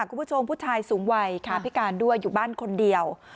คุณผู้ชมผู้ชายสูงวัยค่ะพิการด้วยอยู่บ้านคนเดียว